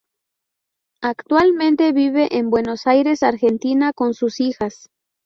Actualmente vive en Buenos Aires, Argentina, con sus hijas.